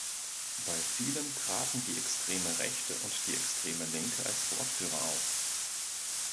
Bei vielem traten die extreme Rechte und die extreme Linke als Wortführer auf.